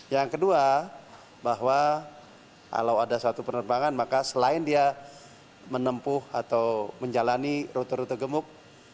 yang kedua bahwa kalau ada suatu penerbangan maka selain dia menempuh atau menjalani rute rute gemuk